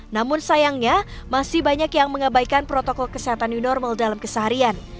namun sayangnya masih banyak yang mengabaikan protokol kesehatan new normal dalam keseharian